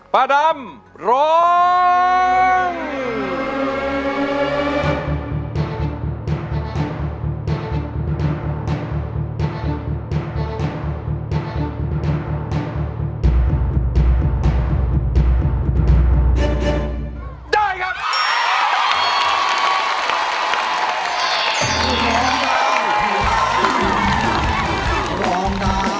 ป้าดำร้อง